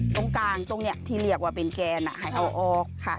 ตรงกลางตรงนี้ที่เรียกว่าเป็นแกนให้เอาออกค่ะ